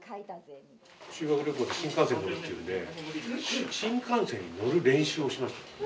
修学旅行で新幹線に乗るっていうんで新幹線に乗る練習をしましたね。